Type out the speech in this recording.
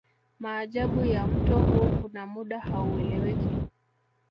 Maajabu ya mto huu kuna muda haueleweki